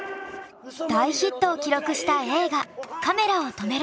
大ヒットを記録した映画「カメラを止めるな！」。